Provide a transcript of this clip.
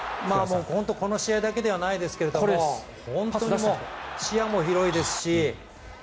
この試合だけではないですけど本当にもう、視野も広いですし。